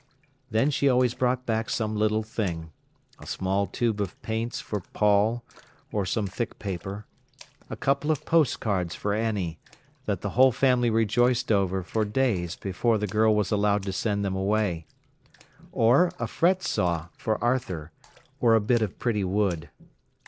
Then she always brought back some little thing: a small tube of paints for Paul, or some thick paper; a couple of postcards for Annie, that the whole family rejoiced over for days before the girl was allowed to send them away; or a fret saw for Arthur, or a bit of pretty wood.